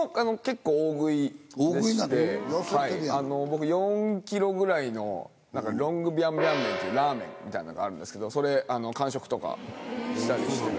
僕４ｋｇぐらいのロングビャンビャン麺っていうラーメンみたいなのがあるんですけどそれ完食とかしたりしてて。